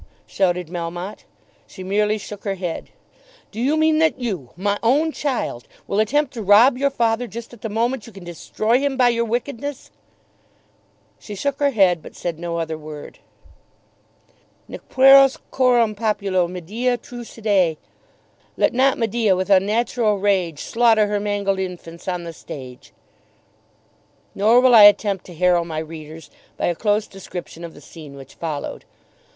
shouted Melmotte. She merely shook her head. "Do you mean that you, my own child, will attempt to rob your father just at the moment you can destroy him by your wickedness?" She shook her head but said no other word. "Nec pueros coram populo Medea trucidet." "Let not Medea with unnatural rage Slaughter her mangled infants on the stage." Nor will I attempt to harrow my readers by a close description of the scene which followed.